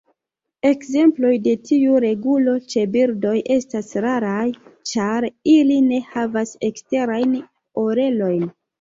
Ekzemploj de tiu regulo ĉe birdoj estas raraj, ĉar ili ne havas eksterajn orelojn.